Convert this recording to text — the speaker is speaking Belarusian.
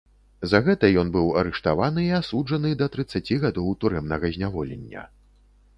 За гэта ён быў арыштаваны і асуджаны да трыццаці гадоў турэмнага зняволення.